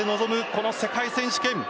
この世界選手権。